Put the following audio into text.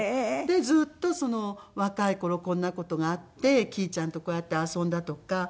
でずっと若い頃こんな事があってきぃちゃんとこうやって遊んだとか。